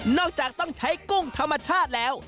จากต้องใช้กุ้งธรรมชาติแล้ว